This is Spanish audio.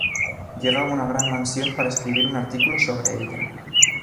Llega a una gran mansión para escribir un artículo sobre ella.